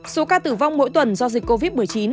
số ca tử vong mỗi tuần do dịch covid một mươi chín